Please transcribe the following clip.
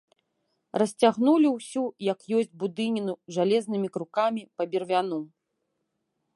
Расцягнулі ўсю як ёсць будыніну жалезнымі крукамі па бервяну.